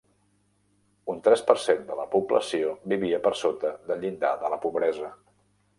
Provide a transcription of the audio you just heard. Un tres per cent de la població vivia per sota del llindar de la pobresa.